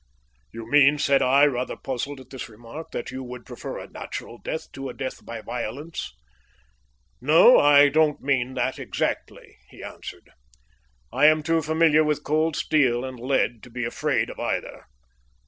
"You mean," said I, rather puzzled at his remark, "that you would prefer a natural death to a death by violence?" "No, I don't mean that exactly," he answered. "I am too familiar with cold steel and lead to be afraid of either.